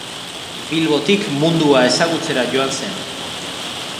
Bilbotik mundua ezagutzera joan zen.